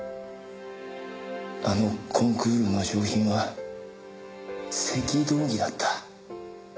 あのコンクールの賞品は赤道儀だった。